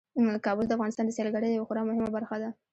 کابل د افغانستان د سیلګرۍ یوه خورا مهمه برخه ده.